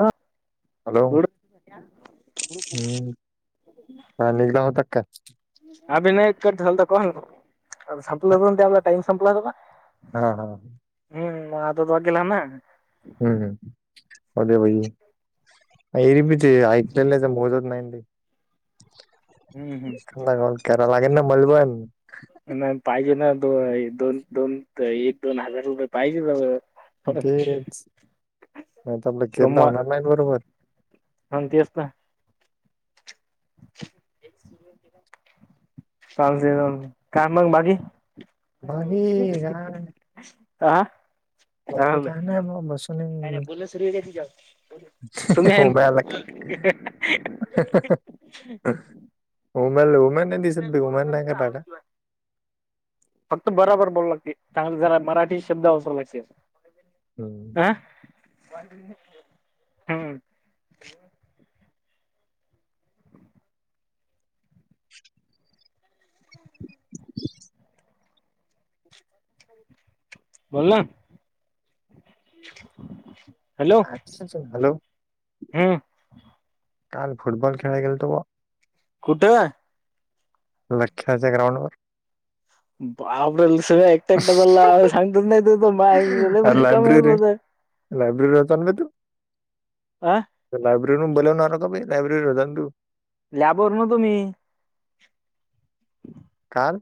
हा hello good हम् काल निघला होता काय. आबे नाही कट झालता कॉल काल संपला काय होता टाइम संपला होता आपला हा हा हम्म मांग आता तुआ केला ना हम्म हम् होर भाई एरी बी ते ऐकलेलं मोजत नाही ते हम्म हम्म ड करा लागलं न मल पण नाही पाहिजे ना दो दोन दोन एक दोन हजार रुपये पाहिजे तेच नाहीत आपलं केरला होणार नाही बरोबर हो तेच ना काल काय मग बाकी बाकी आा अदी का म मसली काय नाही बोलण सुरू आहे त तुम्ही आहे ओम्या ले ओम्या नाही दिसत ओम्या काय करा लागला फक्त बराबर बोलू लागते चांगलं झारा मराठी शब्द वापरा लागते हम् अह हम्म बोल ना अच्छ हॅलो हम्म काल फुटबॉल खेळायले गेल्तो बॉ कुठे लक्ष्याच्या ग्राउंड वर बाबरल एकटा एकटा झाला सांगतच नाही त त म भारी काम आहे मग लयब्रेरीलाता आणण ब तू आं लायब्ररी न बोललवणार का लायब्रेरी र होता तू लॅबवर नवतो मी काल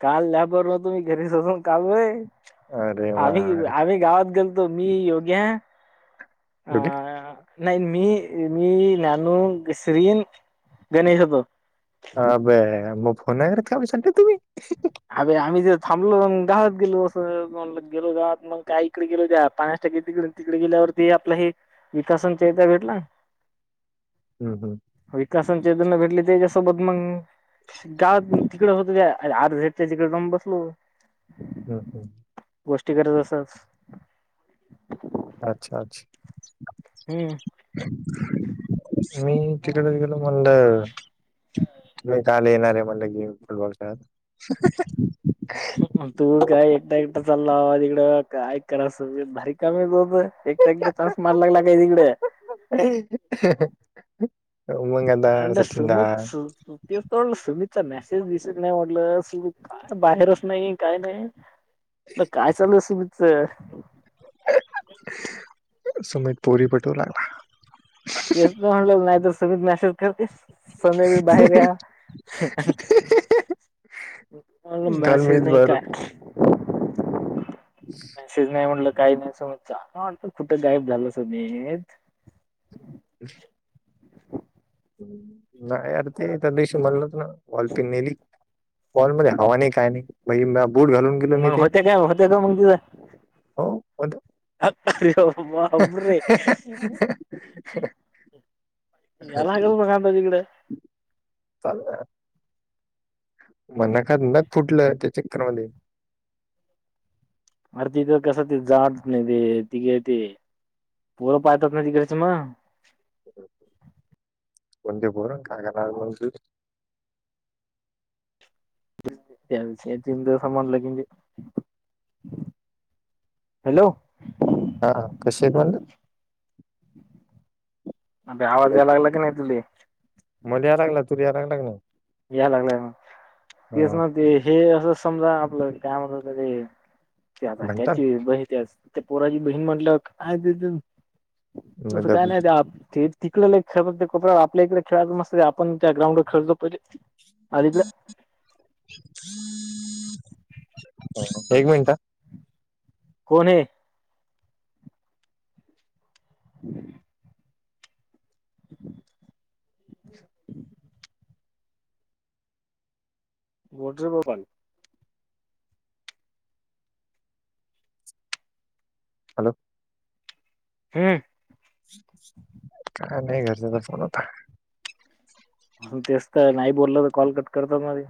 काल लॅब वर नवतो कल घरीच होता न बे अरे वा आम्ही आम्ही गावात गेलतो मी योगे [unintelligible] नाही मी मी नानू, श्रीन, गणेश होतो. अबे म फोन नाही करत का बे? [unintelligible] तुम्ही अबे आम्ही जर थांबलो अन गावात गेलो असं म्हटलं गेलो गावात मग काय इकडे गेलो त्या पाण्याच टाकी तिकडे तिकडे गेल्यावरती आपल हे विकास अन ते भेटल. हम्म हम्म विकास अन चेतन ला भेटले त्याच्यासोबत मग गावात तिकड होत त्या अरे आर त्याच्याकडे जाऊन बसलो. हम्म गोष्टी करत असच. अच्छा अच्छा हम्म मी तिकडेच गेलो म्हणाल. मी काले येणार आहे म्हणलं की गेम फुटबॉल खेळत. तू काय एकटा एकटा चाला बाबा तिकड काय करा [unintelligible] भारी काम आहे तू अ तर. एकटा एकटा चान्स मारायला लागला काय तिकड. उमग आता म्हटलं सचिन दा. सुमित तेच तर म्हटलं सुमितचा मेसेज दिसत नाही म्हटलं. बाहेरच नाही काय नाही. ते काय चालू आहे सुमित? सुमित पोरी पटवू लागला. तेच त म्हणल नाही तर सुमित मेसे करते सध्या मी बाहेर आहे आ. म्हटलं काल मेसेज मीच नाही काय? भरत मेसेज नाही म्हटलं काही नाही सुमित चा कुठं गायब झालं समीत. [inaudible] नाही अर ते त्या दिवशी म्हणल होत न वॉल पिन नेली. बॉलमध्येध्ये हवा नाही काय नाही [unintelligible] बूट घालून. गेलो मी मग ते होत्या काय होत्या का मग तिथं. हो होत्या. रे बापरे! या लागल मग आता तिकडे. चाल ना. म नखात नख फुटलं त्या चक्करमध्ये. मग तिथं कसं जा वाटत नाही तिथे ती येते तिथे. पोरं पाहतात ना तिकडचे म. कोणते पोर काय करणार आहेत मग ते [unintelligible] हॅलो हा कशी आहेत म्हटलं? अबे आवाज या लागला की नाही तुले. मले या लागला तुले या लागणार का मग या लागलाय मग तीच न ते हे असं समजा आपलं काय म्हणतात त्याले? ते म्हणतात आता बही त्या ते पोराची बहीण म्हटलं काय तिथ तसं काय मतलब नाही ते आप ती तिकड लय खेळत ते कोप्यावर आपल्या इकडे खेळायचं मस्त ते आपण त्या ग्राउंडवर खेळत जाऊ पहिले अलीकडे एक मिनट अ. कोणे [inaudible] बोल रे बबन. हॅलो हम्म काय नाही घरचा तर फोन होता ते असत नाही बोललं तर कॉल कट करतात मध्ये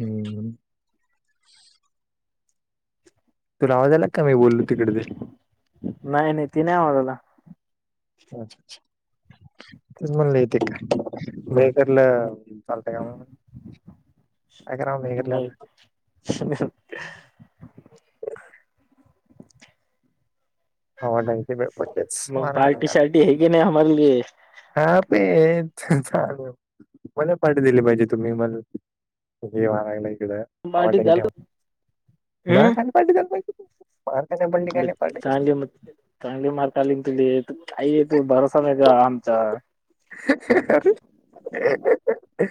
हम्म तूलावायला का मी बोललो तिकडे ते नाही नाही ती नाही आवाला अच्छ अच्छा तेच म्हणलं येते का मकरला चालतय का मगय का ना मेघलं आता ह हवा ंगती बे पकेच मग मार कर पार्टी शार्टी हे की नाही हमारे लिए हा पे चालेू मला पाठी दिली पाहिजे तुम्ही मारयला इकडें पार्टी ठ झाल हम्म ख म चांगडी मार कालिन तलीेत आई तू भरसा नाही का आमचा अरे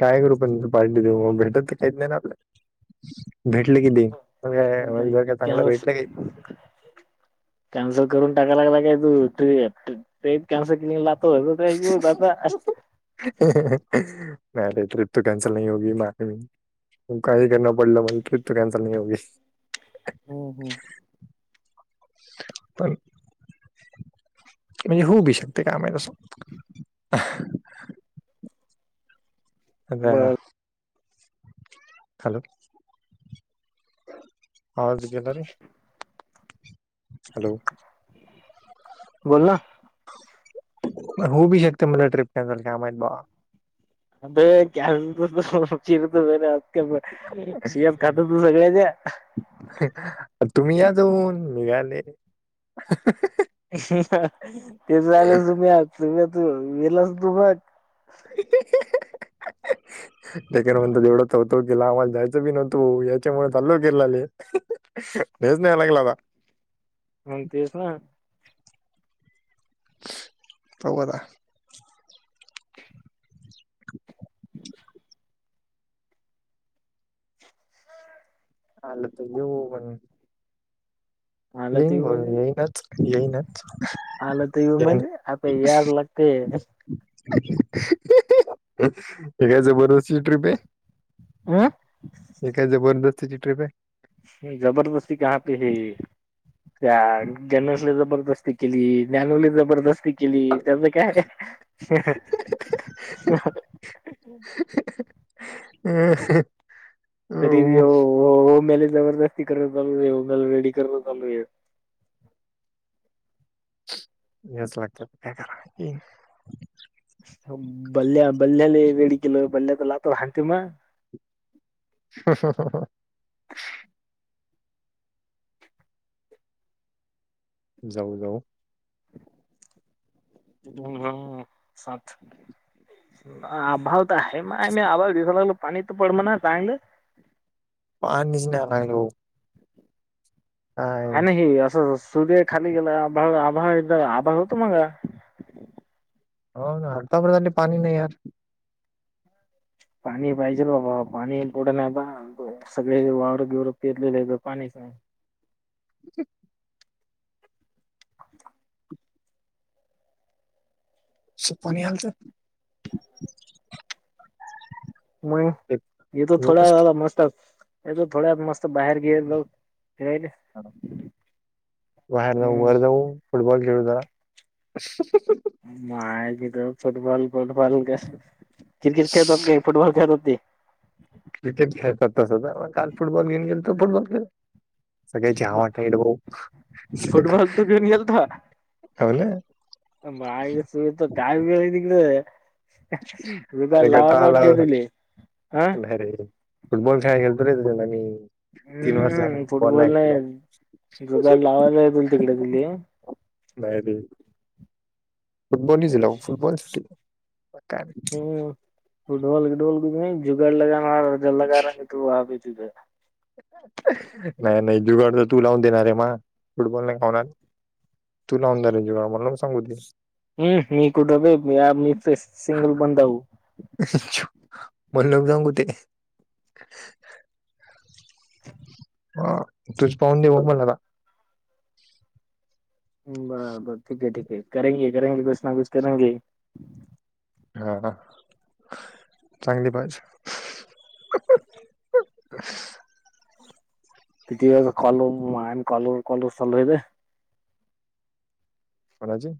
काय करू पण पार्टी देऊ मग भेटत की काहीत नाही ना आपल्याला भेटले की दे अ तंग कॅन वेटले का कॅन्सल करून टाकाय लागला काय तू ट ट्रेप कॅन्सल केली [unintelligible] नाही रे ट्रिप त कॅंसल नाही हो [unintelligible] तू काहीही करना पडला म्हण ट्रिप त कनसल नाही व्हायची. हम् हम्. पण होऊ बी शकते. काए माहीत असं. बर [unintelligible] हॅलो. आवाज गेला रे. हॅलो. बोल ना. होउ बी शकत. म्हटलं ट्रिप कॅन्सल काय माहीत बुवा. अबे [unintelligible] [unintelligible] खात तू सगळ्याच्या तुम्ही या जाऊन. निघाले- ते झालं तुम्ही तुम्ही त गेलस तुम- [inaudible] कन म्हणत तेवढाच होतो कि ला आम्हाला जायचं बी नव्हतो याच्यामुळे चाल्ल केे लाले. हेच न्यावं लागलं आता. आणि तेच ना. पाहू आता. आलं तर घेऊ पण. आलं ते येईन बोल. म्हणजे येईनच येईनच. आलं तर येऊ येईन. म्हणजे? आता यावच लागतय. काय जबरदस्त - तुझी ट्रिप आहे? हं? हे काय जबरदस्तीची ट्रिप आहे. जबरदस्ती कहा पे है? त्या गणेशले जबरदस्ती केली. ज्ञानुले जबरदस्ती केली. त्याचं काय? [inaudible] [inaudible] तरी बी ओ ओम मले जबरदस्ती करत होता. [unintelligible] ऑल रेडी करण चालू आहे. यावंच लागते. काय कराव [unintelligible] बल्ल्या बल्ल्याला वेळी केलो. बल्ल्या तर लातो हाण त्यो मग. ह ह ह ह. जाऊ जाऊ. [unintelligible] साथ आहे म मी. आवाज दिस लागलो पाणी त पडल ना चांगलं. पाणीच नाही [unintelligible] काय हां ना हे असं सूर्य खाली गेला. आभा एकदा आभाळ होत मघा. हो ना. [unintelligible] पाणी नाही यार. पाणी पाहिजेल बाबा. पाणी पुढं नाहीता. सगळे वावर गिवर पिरलेले आहे. पाणीच नाही. अ सुफ पाणी आलत? म? इथं थोडा वेळ झाला मस्त. येतो थोड्या वेळात मस्त. बाहेर बिहेर जाऊ फिरायले. बाहेर जाऊ. हम्म वर जाऊ. फुटबॉल खेळता. माय कथ फुटबॉल फुटबॉल का? क्रिकेट खेळत होत का? फुटबॉल खेळत होते? क्रिकेट खेळतात तसं. काल फुटबॉल घेउन गेल त फुटबॉल खेल- सगळे जावटड ब फुटबॉल तो घेऊन ह ना माग सुय काही बी नििकळ त अरे लावाात वाट दिली अह अरे फुटबॉल खेळा खेळतो रे त्या मी तीन वर्ष झालेॉ नाहीलो दग लावालाोल तिकडे दिली बायब फुटबॉल झाला फुटबॉल काय नाही हम् फुडॉलगडल क जुगडला जाणार जलागार त तुझ नाही नाही दुर्गड तर तू लावून देणार आहे म फुटबॉल नाही खाऊणार तू लावूनाेंज करा मला मग सांगू हम्म मी कुठ मी सिंगल बंदव च म्हणक जाऊ कु ते ह तूच पाहून देव मलाता बरोबर ठीक आहे ठीके करेगे करेगे कस ना क करेगे हा चांगली बाज तिथ कलर मान कॉलूर कॉलूर चालू होेत होणाजी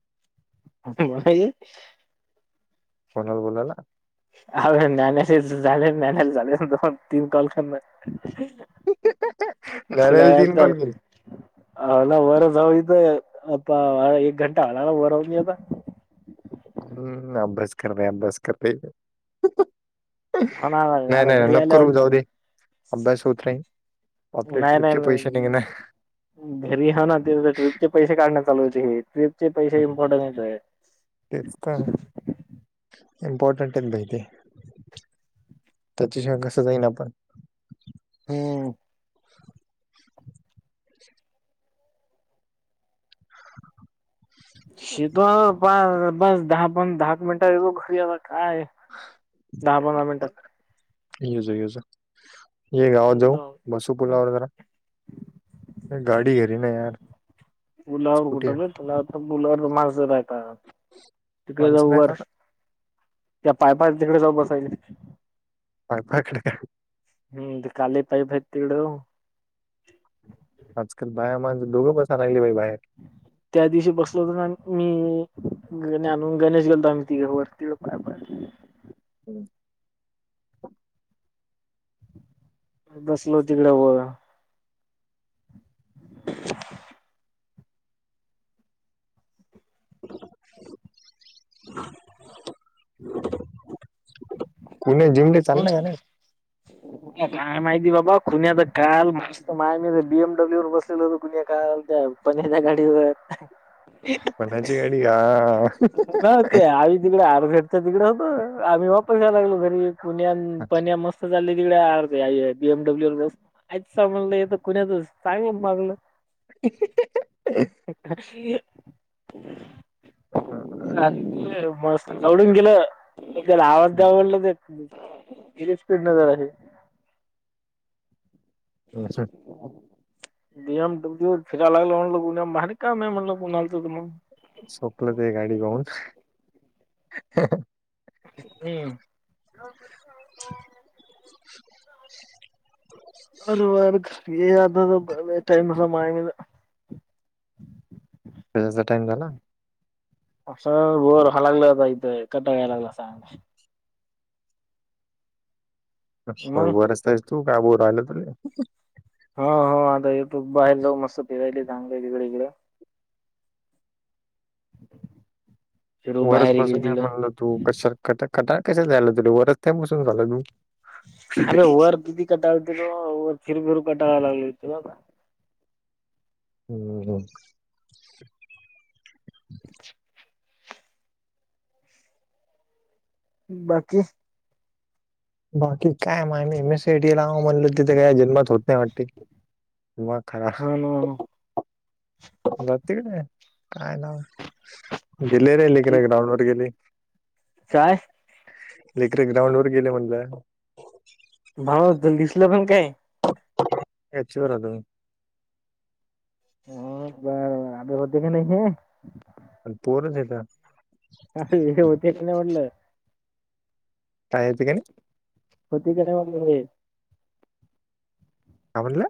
कोणाल बोलाला अ नालेच झाले नानाला झाले दोन तीन कॉल करण असला नारायण तीन कॉल केले हला वरजथ एक घंटा हळाळा वरव नता हम्म अबस करते अबस करते हो ना नाही आता नाही घरी आल्यावर नकू जाऊदी अभ्यास उतरा नाही नाही नाही घरी आहे ना त ट्र्रीपच्या पैसे काढण्यात चालू होते हे ट्र्रीपचे पैसे इम्पॉर्टनट आहे टि का इमपॉ्टंटन भहिती त्याच्या शिवाय कसं जाईना आपण होम शेतो प बस दहा प दहा मिनिटा व गो घरी आला काय दहा पंधरा मिनटात यज यज य गावात जाऊ दो- बसुपुला वगरा गाडी घेरी ना य स्कुटी तुला तर मुलावर माजर आहे का तिकडे माणसं जाऊ नाही वर आता त्या पायपा तिकडे जाऊ बसायला पाय पाकडे हम ते काली पा फेेतड आजकाल बाया माणे दोघं बस राहिली बाई बाहेर त्या दिवशी बसल तर ना मी ग आणून गणेश गेलो आम्ही तिघे वर तडं पाय पड हम्म बसलो तिकडे ब कुणी जिमले चालला का कुण्या नाही काय माहिती बाबा खुण्यात काल मस्त मा म बीएमडब्ल्यू वर बसलेल होत कुण्या काल काय पण त्या गाडीवर कोणाची गाडी हा ना ते आ तकडे आर्से तिकड होतं आम्ही वापस यायला लागलो घरी पुन पन मस्त चाललं तिकडे बीएमडब्ल्यू व आच स म्हणलं येत कुण्यात चांगलं मागलं एखादी ह ह मस्त आवडून गेलं त्याला आवाज द्या म्हणलं. इ स्पीड नजर आहे. ओ शेट. बीएम डब्ल्यू फिरायला लागलं म्हणल [unintelligible] भारी काम आहे म्हणल कुणालच मग. सोपलं ते गाडी पाहून हम्म. वर वर ये अता झोपायला टइम समाय गेल. हेजा टाइम झाला? अस वर हलायगला जायचयं कटाळ यालागला असा. मग वरच हायस तू, काय बु राहिल ते? हा हो आता येतो बाहेर जाऊ मस्त फिरायले चांगले तिकडं हिकडं. फिरू वरस बाहेर इकडे बसून ये तिकडे म्हणल तू. कश कटाळ कश जायला तु वरस त्या बसून झालं तू. आरे वर किती कटाळ केलो. वर फिर फिरू कटाळ लागल लागलं होत ते. हम्म हम्म. [inaudible] बाकी? बाकी काय मग मी M S C I T लावावं म्हणलं तित् काय जन्मात होत नाही वाटते. मग खरा हम्म हम्म. जातय काय, काय लाव? गेले रे लेकर ग्राउंड वर गेले. चाय लेकर एक डाऊनलोड केलं म्हणलं. भा दिसलं पण काय? ह्याच्या वर आलो मी. मग बर बर, आदी होतय काय नाही हे? आणि पोरच येता. ह हे होते का नाही म्हटलं. काय येतय का नई? होतय काय नई बगून घे. काय म्हणाला?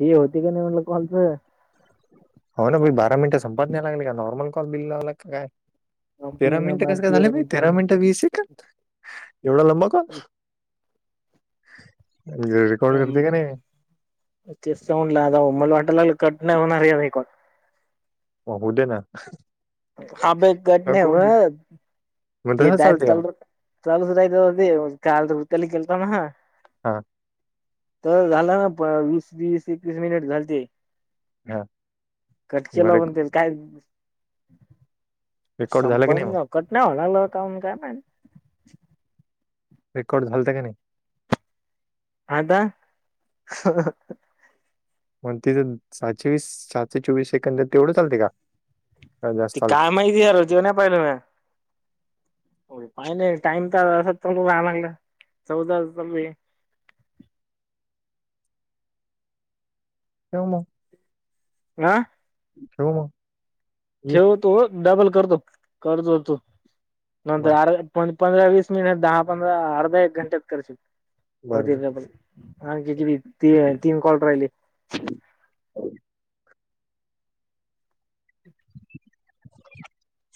हे होतय काय नई म्हटलं कॉलच? हो ना भाई बारा मिनटं संपत नाही लागली, का नॉर्मल कॉल बिल लावला का काय? तेरा संपलं मिनिटं कसं काय भारतीय झालं भाई? तेरा मिनिटं वीस सेकंड. एवढा लंबा कॉल? रंग [unintelligible] नाही ह तेस् ऊन लडाऊ. मला वाटायलागल कट नाही होणार आता हे कॉल. मग होऊ दे ना. आबे कट नाही नको देऊ व्हत. मग ते तसं चालते डायरेक्ट का चालूच, चालूच राहील ना ते. काल वृत्याला केलतना. हा. तर झाला ना प वीस, वीस, एकवीस मिनिट झालते. हा कट मग केलं पण ते काय रेकॉर्ड झालं का संपन नाही मग ना, कट नाही होहु लागला आता काय माहित. रेकॉर्ड झालात काय नई? आता [inaudible] मग तिथं सातशे वीस, सातशे चोवीस सेकंद तेवढंच आलते का? जास्त ती चालते काय माहिती यार, जेवण्या पाहिलं म्या. हो पाहिलं टाईम तर असच चालू राहिलागला, चौदाच चालू आहे. ठेव मग. हा शेव मग ये ठेवतो डबल करतो करतो तो नंतर बर आर पण पंधरा वीस मिनिट दहा पंधरा अर्धा एक घंट्यात कर शक बर बर होतील आपण ह जी बी त तीन कॉलट राहिली [unintelligible]